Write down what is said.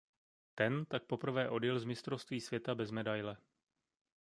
Ten tak poprvé odjel z mistrovství světa bez medaile.